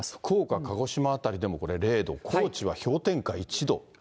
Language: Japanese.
福岡、鹿児島辺りでも０度、高知は氷点下１度。